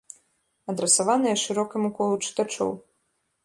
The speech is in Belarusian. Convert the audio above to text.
Адрасаванае шырокаму колу чытачоў.